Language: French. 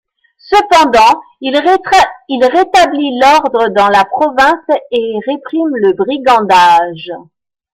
Cependant, il rétablit l'ordre dans la province et réprime le brigandage.